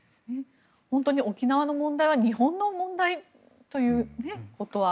本当に沖縄の問題は日本の問題ということは。